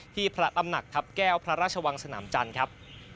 พระตำหนักทัพแก้วพระราชวังสนามจันทร์ครับ